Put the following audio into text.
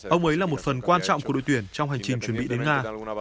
ông ấy là một phần quan trọng của đội tuyển trong hành trình chuẩn bị đến nga